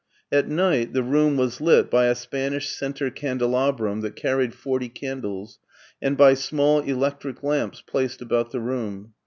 At night the room was lit by a Spanish center candelabrum that carried forty candles, and by small electric lamps placed about the room.